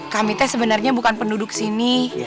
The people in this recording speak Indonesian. kami teh sebenarnya bukan penduduk sini